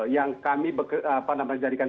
yang kami jadikan